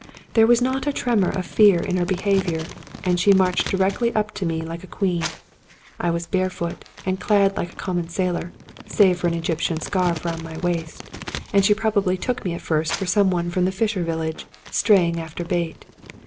There was not a tremor of fear in her behavior, and she marched directly up to me like a queen. I was barefoot, and clad like a common sailor, save for an Egyptian scarf round my waist; and she prob ably took me at first for some one from the fisher village, straying after bait.